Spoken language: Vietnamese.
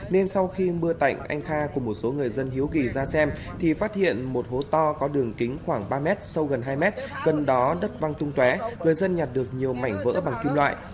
nên sau khi mưa tạnh anh kha cùng một số người dân hiếu kỳ ra xem thì phát hiện một hố to có đường kính khoảng ba mét sâu gần hai mét gần đó đất văng tung té người dân nhặt được nhiều mảnh vỡ bằng kim loại